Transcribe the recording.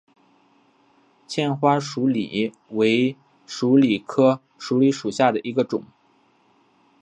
纤花鼠李为鼠李科鼠李属下的一个种。